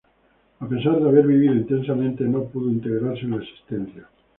A pesar de haber vivido intensamente, no pudo integrarse en la existencia.